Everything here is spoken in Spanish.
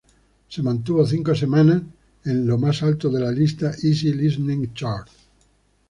Se mantuvo cinco semanas en lo más alto de la lista Easy Listening chart.